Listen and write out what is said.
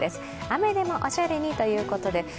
雨でもおしゃれにということで。